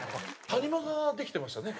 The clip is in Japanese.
谷間ができてましたね。